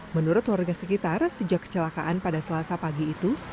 menurut warga sekitar sejak kecelakaan pada selasa pagi itu